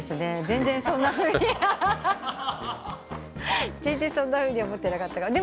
全然そんなふうには思ってなかったから。